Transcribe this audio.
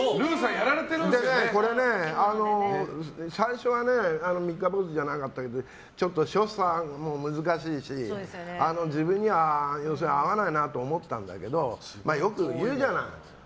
最初は三日坊主じゃなかったけどちょっと所作も難しいし自分には合わないなと思ってたんだけどよく言うじゃない。